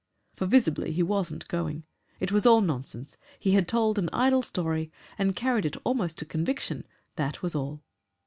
For visibly he wasn't going. It was all nonsense. He had told an idle story, and carried it almost to conviction, that was all!...